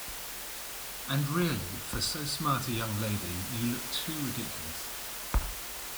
And really, for so smart a young lady, you look too ridiculous.